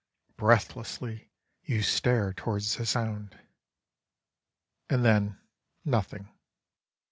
Breathlessly you stare towards the sound. And then nothing.